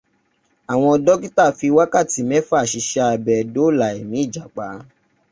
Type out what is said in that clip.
Àwọn dókítà fi wákàtí mẹ́fà ṣiṣẹ́ abẹ dóòlà ẹ̀mí ìjàpá.